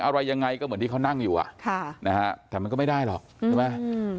อะไรยังไงก็เหมือนที่เขานั่งอยู่อ่ะค่ะนะฮะแต่มันก็ไม่ได้หรอกใช่ไหมอืม